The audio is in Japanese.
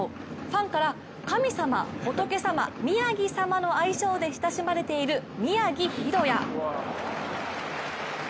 ファンから、神様・仏様・宮城様の愛称で親しまれている宮城大弥。